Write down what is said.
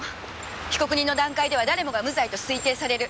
「被告人の段階では誰もが無罪と推定される」。